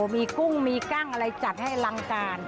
มีกุ้งมีกั้งอะไรจัดให้อลังการ